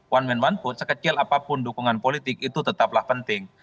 one man one food sekecil apapun dukungan politik itu tetaplah penting